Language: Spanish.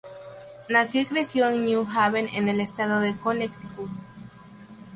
Nació y creció en New Haven, en el estado de Connecticut.